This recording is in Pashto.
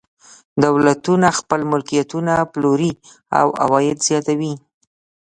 دولتونه خپل ملکیتونه پلوري او عواید زیاتوي.